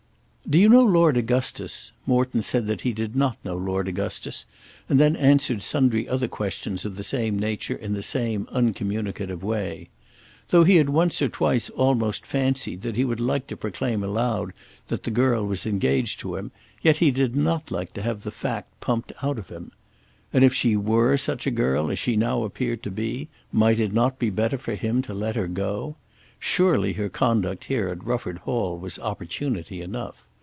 "Do you know Lord Augustus?" Morton said that he did not know Lord Augustus and then answered sundry other questions of the same nature in the same uncommunicative way. Though he had once or twice almost fancied that he would like to proclaim aloud that the girl was engaged to him, yet he did not like to have the fact pumped out of him. And if she were such a girl as she now appeared to be, might it not be better for him to let her go? Surely her conduct here at Rufford Hall was opportunity enough.